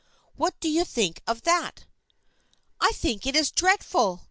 What do you think of that?" " I think it is dreadful